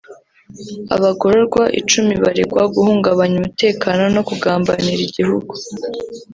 Abagororwa icumi baregwa guhungabanya umutekano no kugambanira igihugu